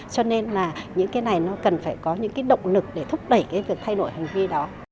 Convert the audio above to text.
cho nên là những cái này nó cần phải có những cái động lực để thúc đẩy cái việc thay đổi hành vi đó